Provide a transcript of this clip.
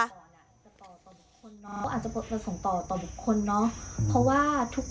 อาจจะประสงค์ต่อต่อบุคคลเนอะ